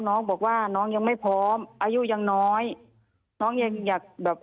น้องบอกว่าน้องยังไม่พร้อมอายุยังน้อยน้องยังอยากแบบ